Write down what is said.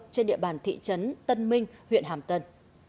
trên địa bàn thị trấn tân minh huyện hàm tân